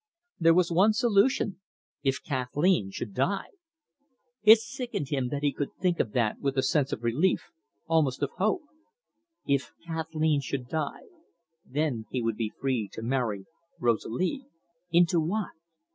There was one solution if Kathleen should die! It sickened him that he could think of that with a sense of relief, almost of hope. If Kathleen should die, then he would be free to marry Rosalie into what?